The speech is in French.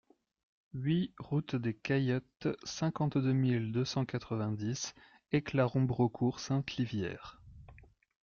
huit route des Caillottes, cinquante-deux mille deux cent quatre-vingt-dix Éclaron-Braucourt-Sainte-Livière